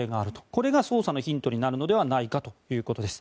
これが捜査のヒントになるのではないかということです。